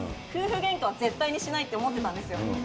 夫婦げんかは絶対にしないと思ってたんですよ。